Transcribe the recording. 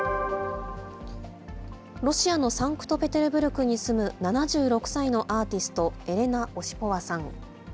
ロシアのサンクトペテルブルクに住む７６歳のアーティスト、エレナ・オシポワさん。